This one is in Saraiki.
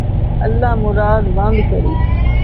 اللہ مٗراد ون٘د کری